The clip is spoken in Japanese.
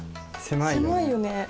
狭いよね。